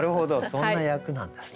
そんな役なんですね。